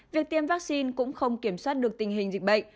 việc tiêm vaccine cũng không kiểm soát được tình hình dịch bệnh